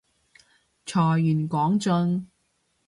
財源廣進